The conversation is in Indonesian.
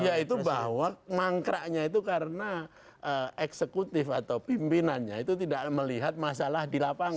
yaitu bahwa mangkraknya itu karena eksekutif atau pimpinannya itu tidak melihat masalah di lapangan